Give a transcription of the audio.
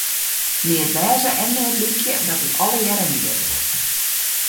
Neat wêze en neat lykje, dat is allegearre neat.